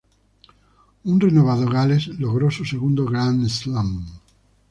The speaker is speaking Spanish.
Un renovado Gales logró su segundo Grand Slam.